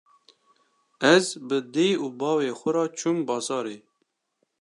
Ez bi dê û bavê xwe re çûm bazarê.